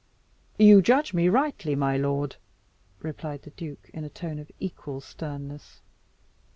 "You judge me rightly, my lord," replied the duke, in a tone of equal sternness.